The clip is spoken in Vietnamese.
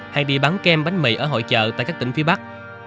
hay đi bán kem bánh mì ở hội chợ tại các tỉnh phía bắc